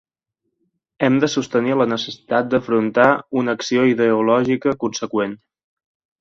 Hem de sostenir la necessitat d'afrontar una acció ideològica conseqüent.